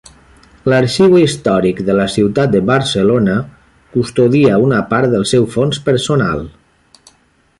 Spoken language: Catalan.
L'Arxiu Històric de la Ciutat de Barcelona custodia una part del seu fons personal.